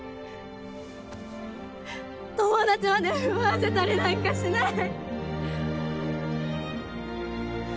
友達まで奪わせたりなんかしない！